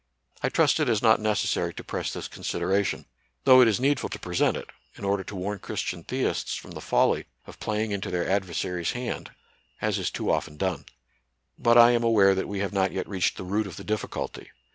I trust it is not necessary to presa this consid eration, though it is needful to present it, in order to warn Christian theists from the folly of playing into their adversary's hand, as is too often done. But I am aware that we have not yet reached the root of the difficulty.